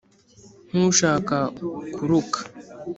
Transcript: nk'ushaka kuruka